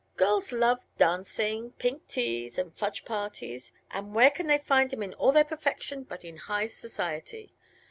Girls love dancing, pink teas and fudge parties, and where can they find 'em in all their perfection but in high society?